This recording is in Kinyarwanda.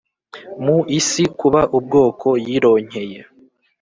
Mu isi kuba ubwoko yironkeye